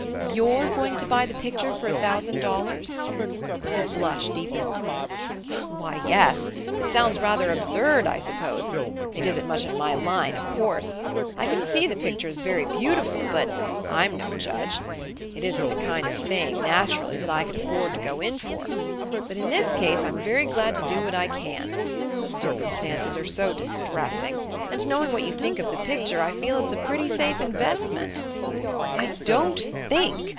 "You're going to buy the picture for a thousand dollars?" His blush deepened. "Why, yes. It sounds rather absurd, I suppose. It isn't much in my line, of course. I can see the picture's very beautiful, but I'm no judge it isn't the kind of thing, naturally, that I could afford to go in for; but in this case I'm very glad to do what I can; the circumstances are so distressing; and knowing what you think of the picture I feel it's a pretty safe investment " "I don't think!"